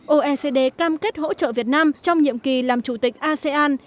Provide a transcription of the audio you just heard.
oecd cam kết hỗ trợ việt nam trong nhiệm kỳ làm chủ tịch asean